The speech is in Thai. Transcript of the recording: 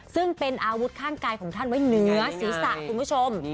ซึ่งเป็นอาวุธข้างกายของท่านไว้เหนือศีรษะคุณผู้ชม